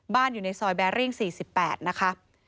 อยู่ในซอยแบริ่ง๔๘นะคะ